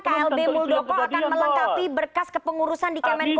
kapan klb buldoko akan melengkapi berkas kepengurusan di kemenkumham